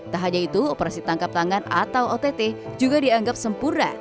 tak hanya itu operasi tangkap tangan atau ott juga dianggap sempurna